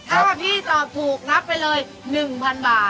ถ้าพี่ตอบถูกนับไปเลย๑๐๐๐บาท